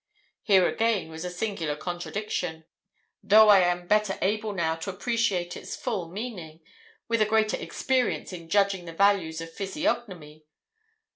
Here again was a singular contradiction, though I am better able now to appreciate its full meaning, with a greater experience in judging the values of physiognomy.